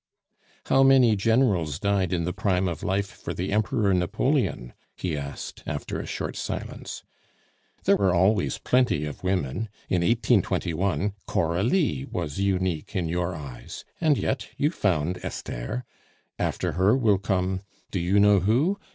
"How many generals died in the prime of life for the Emperor Napoleon?" he asked, after a short silence. "There are always plenty of women. In 1821 Coralie was unique in your eyes; and yet you found Esther. After her will come do you know who?